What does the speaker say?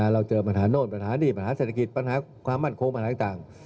เราเจอปัญหาโน่นปัญหานี่ปัญหาเศรษฐกิจปัญหาความมั่นคงอะไรต่าง